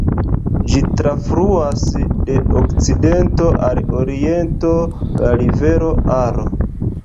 Ĝi trafluas de okcidento al oriento la rivero Aro.